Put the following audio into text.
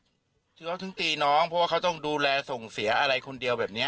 ที่เขาอ้างว่าเขาเครียดที่เขาถึงตีน้องเพราะว่าเขาต้องดูแลส่งเสียอะไรคนเดียวแบบเนี้ย